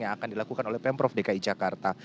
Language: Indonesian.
yang akan dilakukan oleh pemprov dki jakarta